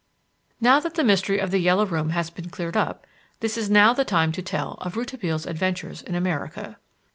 Now that the Mystery of "The Yellow Room" has been cleared up, this is not the time to tell of Rouletabille's adventures in America.